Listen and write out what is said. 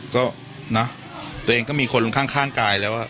ก็เนอะตัวเองก็มีคนลงข้างกายแล้ว